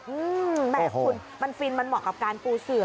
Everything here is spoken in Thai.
แหมคุณมันฟินมันเหมาะกับการปูเสือ